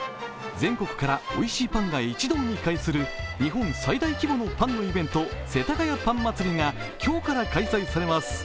全国からおいしいパンが一堂に会する日本最大規模のパンのイベント、世田谷パン祭りが今日から開催されます。